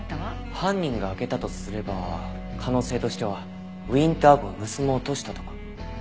犯人が開けたとすれば可能性としてはウィンター号を盗もうとしたとか。